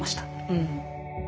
うん。